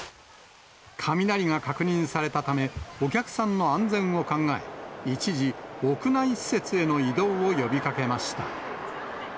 雷が確認されたため、お客さんの安全を考え、一時、屋内施設への移動を呼びかけました。